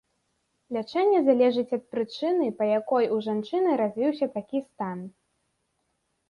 Лячэнне залежыць ад прычыны, па якой у жанчыны развіўся такі стан.